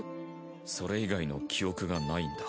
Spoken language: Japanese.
それ以外の記憶がないんだ。